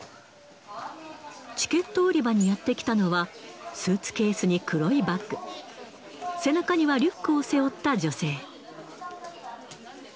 チケット売り場にやって来たのは、スーツケースに黒いバッグ、背中にはリュックを背負った女性。